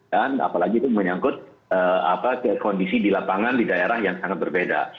dan apalagi itu menyangkut kondisi di lapangan di daerah yang sangat berbeda